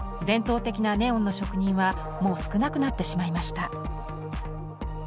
伝統的なネオンの職人はもう少なくなってしまいました。